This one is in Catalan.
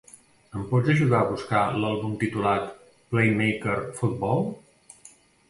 Em pots ajudar a buscar l'àlbum titulat PlayMaker Football?